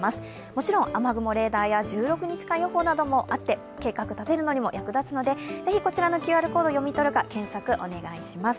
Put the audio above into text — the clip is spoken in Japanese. もちろん雨雲レーダーや１６日間予報もあって計画を立てるのにも役立つので、ぜひ、こちらのＱＲコードを読み取るか検索をお願いします。